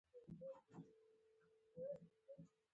سیلابونه د افغانستان د زرغونتیا یوه څرګنده نښه ده.